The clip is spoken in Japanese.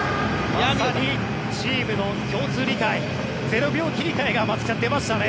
まさにチームの共通理解０秒切り替えが松木さん、出ましたね。